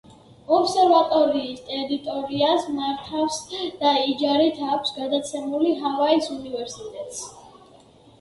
ობსერვატორიის ტერიტორიას მართავს და იჯარით აქვს გადაცემული ჰავაის უნივერსიტეტს.